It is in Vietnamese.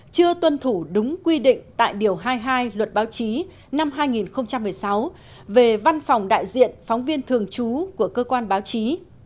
chưa tuân thủ đúng quy định tại điều hai mươi hai luật báo chí